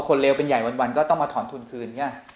พอคนเลวเป็นใหญ่วันก็ต้องมาถอนทุนคืน